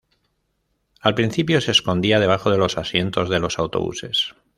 Al principio se escondía debajo de los asientos de los autobuses.